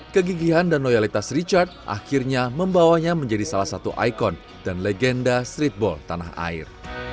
kegigihan dan loyalitas richard akhirnya membawanya menjadi salah satu ikon dan legenda streetball tanah air